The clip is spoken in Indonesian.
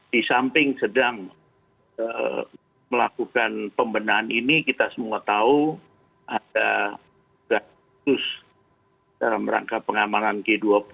di samping sedang melakukan pembenahan ini kita semua tahu ada tugas khusus dalam rangka pengamanan g dua puluh